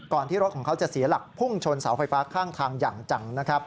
ที่รถของเขาจะเสียหลักพุ่งชนเสาไฟฟ้าข้างทางอย่างจังนะครับ